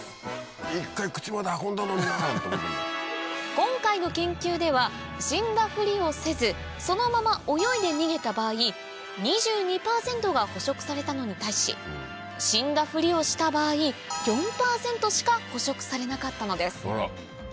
今回の研究では死んだふりをせずそのまま泳いで逃げた場合２２％が捕食されたのに対し死んだふりをした場合４％しか捕食されなかったのです